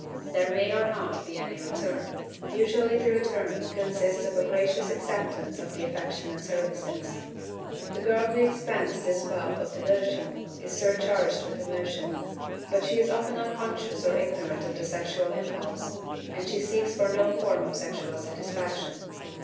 There may or not be any return; usually the return consists of a gracious acceptance of the affectionate services. The girl who expends this wealth of devotion is surcharged with emotion, but she is often unconscious or ignorant of the sexual impulse, and she seeks for no form of sexual satisfaction.